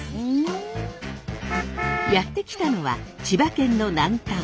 やって来たのは千葉県の南端。